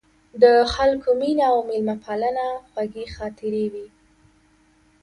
د خلکو مینه او میلمه پالنه خوږې خاطرې وې.